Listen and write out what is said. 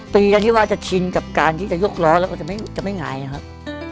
ตีกันที่ว่าจะชินกับการที่จะยกล้อแล้วก็จะไม่หงายนะครับ